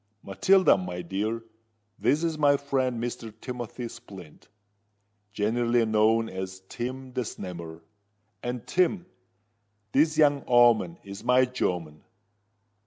Matilda, my dear, this is my friend Mr. Timothy Splint, generally knowed as Tim the Snammer: and Tim, this young o'oman is my jomen.